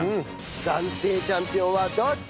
暫定チャンピオンはどっち！？